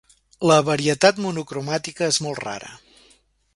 La varietat monocromàtica és molt rara.